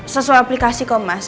sesuai aplikasi kok mas